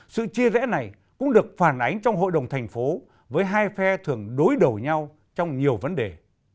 sự chia rẽ này cũng được phản ánh trong hội đồng thành phố với hai phe thường đối đầu nhau trong nhiều vấn đề